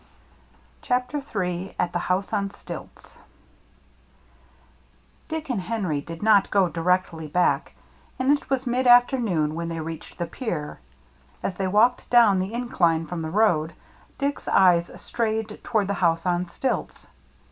_ CHAPTER III AT THE HOUSE ON STILTS DICK and Henry did not go directly back, and it was mid afternoon when they reached the pier. As they walked down the incline from the road, Dick's eyes strayed toward the house on stilts.